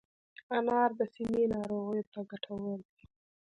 انار د سینې ناروغیو ته ګټور دی.